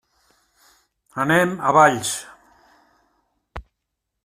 Anem a Valls.